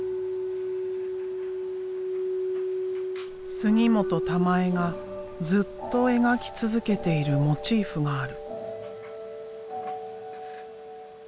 杉本たまえがずっと描き続けているモチーフがある。